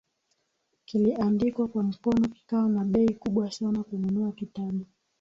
kiliandikwa kwa mkono kikawa na bei kubwa sana Kununua kitabu